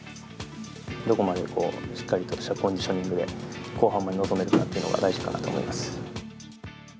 どこまでしっかりとしたコンディショニングで後半まで臨めるかっていうのが大事かなと思います。